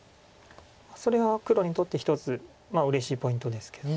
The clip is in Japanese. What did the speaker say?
それは黒にとって一つうれしいポイントですけど。